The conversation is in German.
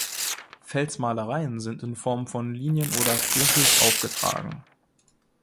Felsmalereien sind in Form von Linien oder flächig aufgetragen.